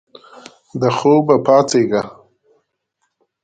د خوب پاڅیږې